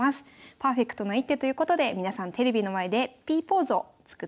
パーフェクトな一手ということで皆さんテレビの前でＰポーズを作ってください。